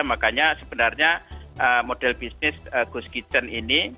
makanya sebenarnya model bisnis ghost kitten ini